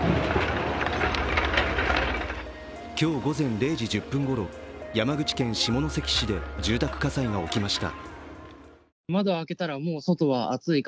今日午前０時１０分ごろ山口県下関市で住宅火災が起きました。